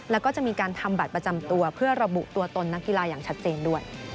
แล้วก็จะมีการทำบัตรประจำตัวเพื่อระบุตัวตนนักกีฬาอย่างชัดเจนด้วย